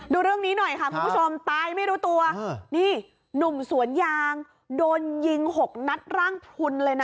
ดูเรื่องนี้หน่อยค่ะคุณผู้ชมตายไม่รู้ตัวนี่หนุ่มสวนยางโดนยิงหกนัดร่างพลุนเลยนะ